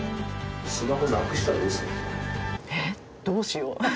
どうしよう。